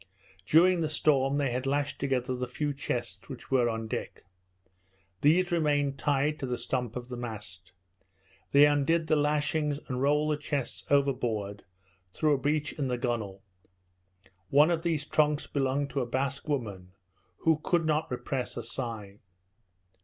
During the storm they had lashed together the few chests which were on deck. These remained tied to the stump of the mast. They undid the lashings and rolled the chests overboard through a breach in the gunwale. One of these trunks belonged to the Basque woman, who could not repress a sigh.